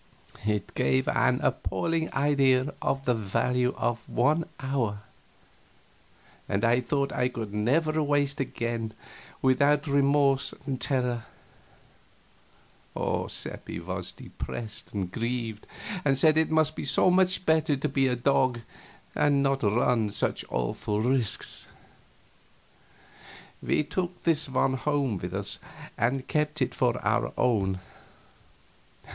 It gave an appalling idea of the value of an hour, and I thought I could never waste one again without remorse and terror. Seppi was depressed and grieved, and said it must be so much better to be a dog and not run such awful risks. We took this one home with us and kept him for our own.